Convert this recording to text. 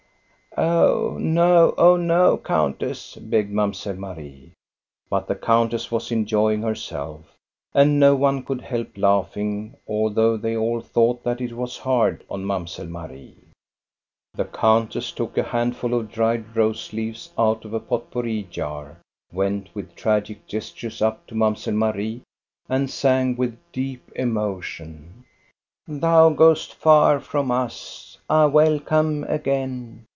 " Oh no, oh no, countess !" begged Mamselle Marie. But the countess was enjoying herself, and no one could help laughing, although they all thought that it was hard on Mamselle Marie. The countess took a handful of dried rose leaves out of a pot pourri jar, went with tragic gestures up to Mamselle Marie, and sang with deep emotion :—" Thou goest far from us. Ah 1 welcome again